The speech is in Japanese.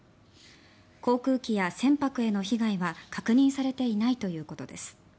航空機や船舶への被害は確認されていないということです。